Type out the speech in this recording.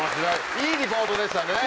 いいリポートでしたね。